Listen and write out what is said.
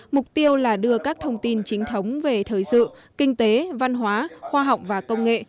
mục tiêu là đưa các thông tin chính thống về thời sự kinh tế văn hóa khoa học và công nghệ